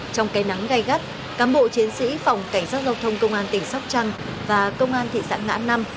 trong cây nắng gai gắt cám bộ chiến sĩ phòng cảnh sát giao thông công an tỉnh sóc trăng và công an thị xã ngã năm